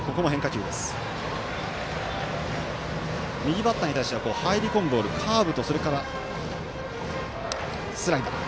右バッターに対しては入り込むボールカーブとスライダー。